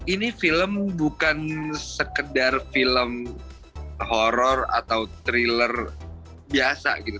ini film bukan sekedar film horror atau thriller biasa gitu